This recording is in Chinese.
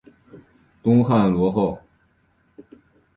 东汉罗侯。